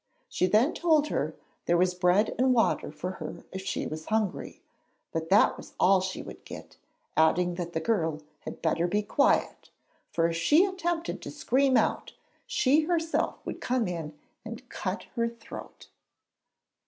She then told her there was bread and water for her if she was hungry, but that was all she would get; adding that the girl had better be quiet, for if she attempted to scream out, she herself would come in and cut her throat.